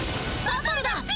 バトルだ！